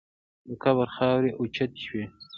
د قبر خاورې اوچتې شوې.